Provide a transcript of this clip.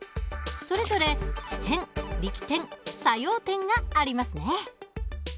それぞれ支点力点作用点がありますね。